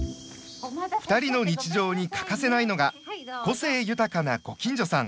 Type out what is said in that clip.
２人の日常に欠かせないのが個性豊かなご近所さん。